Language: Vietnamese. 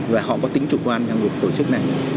và họ có tính chủ quan trong việc tổ chức này